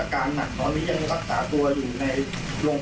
ภาษาภูมิที่แข็งคนงานแล้วครับที่ไหนจ้าง